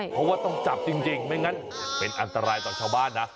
เพราะว่าต้องจับจริงไม่งั้นเป็นอันตรายต่อชาวบ้านนะ